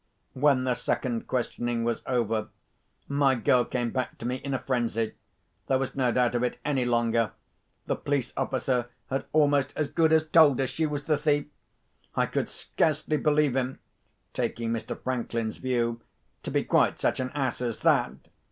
When the second questioning was over, my girl came back to me in a frenzy. There was no doubt of it any longer—the police officer had almost as good as told her she was the thief! I could scarcely believe him (taking Mr. Franklin's view) to be quite such an ass as that.